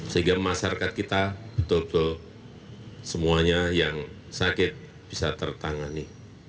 sehingga masyarakat kita betul betul semuanya yang sakit bisa tertangani